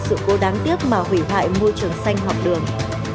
nhưng cũng là một sự cố đáng tiếc mà hủy hoại môi trường xanh học đường